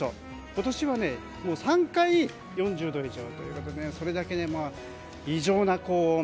今年はもう３回４０度以上ということでそれだけ異常な高温。